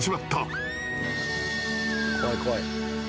怖い怖い。